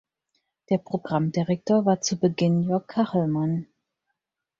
Der Programmdirektor war zu Beginn Jörg Kachelmann.